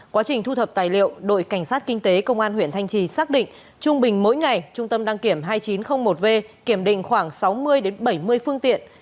quá trình thu thập tài liệu đội cảnh sát kinh tế công an huyện thanh trì xác định trung bình mỗi ngày trung tâm đăng kiểm hai nghìn chín trăm linh một v kiểm định khoảng sáu mươi bảy mươi phương tiện